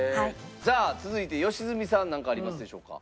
じゃあ続いて良純さんなんかありますでしょうか？